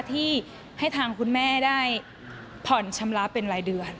ที่ให้ทางคุณแม่ได้ผ่อนชำระเป็นรายเดือน